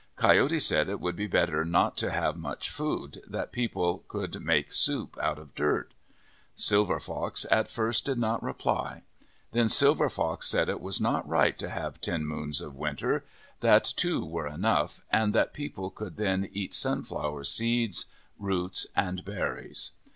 Coyote said it would be better not to have much food, that people could make soup out of dirt. Silver Fox at first did not reply. Then Silver Fox said it was not right to have ten moons of winter, that two were enough, and that people could then eat sunflower seeds, roots, and berries.